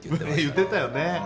言ってたよね。